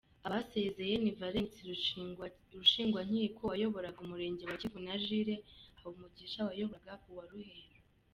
Abasezeye ni Valens Rushingwankiko wayoboraga Umurenge wa Kivu na Jules Habumugisha wayoboraga uwa Ruheru.